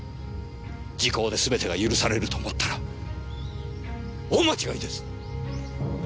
時効ですべてが許されると思ったら大間違いです！